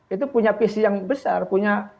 itu punya visi yang besar punya